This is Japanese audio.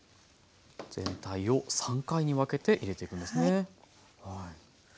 全体を３回に分けて入れていくんですね。